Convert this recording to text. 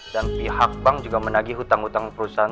dan pihak bank juga menagih hutang hutang perusahaan